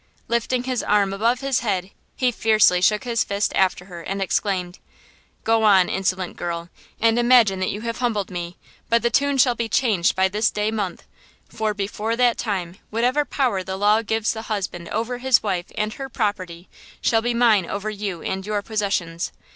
Lifting his arm above his head he fiercely shook his fist after her and exclaimed: "Go on, insolent girl, and imagine that you have humbled me; but the tune shall be changed by this day month, for before that time whatever power the law gives the husband over his wife and her property shall be mine over you and your possessions.